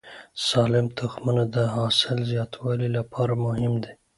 سالم تخمونه د حاصل زیاتوالي لپاره مهم دي.